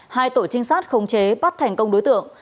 hai tổ trinh sát khống chế bắt thành công đối tượng